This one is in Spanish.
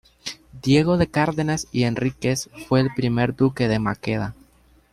Diego de Cárdenas y Enríquez fue el primer duque de Maqueda